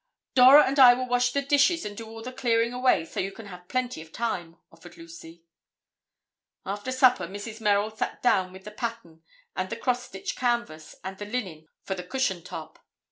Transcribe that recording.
"Dora and I will wash the dishes and do all the clearing away, so you can have plenty of time," offered Lucy. After supper, Mrs. Merrill sat down with the pattern and the cross stitch canvas and the linen for the cushion top.